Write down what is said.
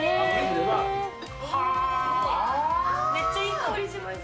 めっちゃいい香りします。